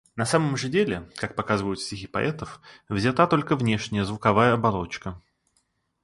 На самом же деле, как показывают стихи поэтов, взята только внешняя, звуковая оболочка.